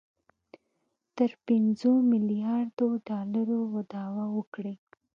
تر پنځو میلیاردو ډالرو دعوه وکړي